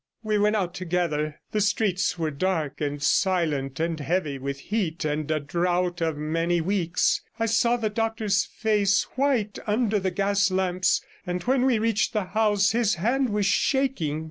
We went out together; the streets were dark and silent, and heavy with heat and a drought of many weeks. I saw the doctor's face white under the gas lamps, and when we reached the house his hand was shaking.